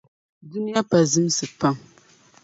Duniya pa zimsi pam.